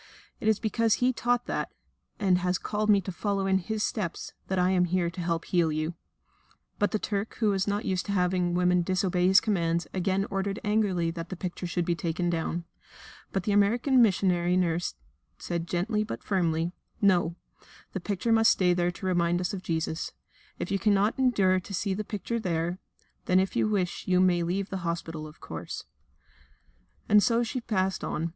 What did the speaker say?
It is because He taught that, and has called me to follow in His steps, that I am here to help to heal you." But the Turk, who was not used to having women disobey his commands, again ordered angrily that the picture should be taken down. But the American missionary nurse said gently, but firmly: "No, the picture must stay there to remind us of Jesus. If you cannot endure to see the picture there, then if you wish you may leave the hospital, of course." And so she passed on.